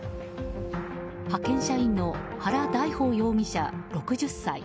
派遣社員の原大豊容疑者、６０歳。